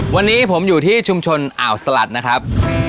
วันนี้ผมอยู่ที่ชุมชนอ่าวสลัดนะครับ